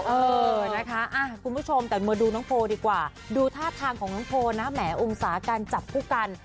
เออนะคะคุณผู้ชมแต่มาดูน้องโพลดีกว่าดูท่าทางของน้องโพลนะแหมองศาการจับคู่กัน